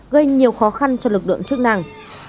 gây nhiều khó khăn cho lực lượng chức năng